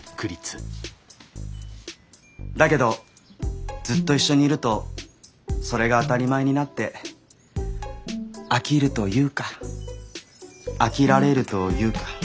だけどずっと一緒にいるとそれが当たり前になって飽きるというか飽きられるというか。